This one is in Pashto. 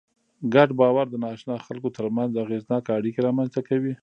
ګډ باور د ناآشنا خلکو تر منځ اغېزناکه اړیکې رامنځ ته کوي.